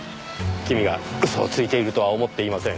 君が嘘をついているとは思っていません。